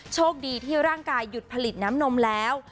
โชคดีที่ร่างกายหยุดผลิตน้ำนมแล้ว